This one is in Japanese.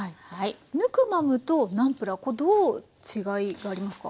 ヌクマムとナムプラーこれどう違いがありますか？